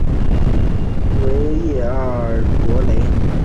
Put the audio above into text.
维利耶尔莱普雷。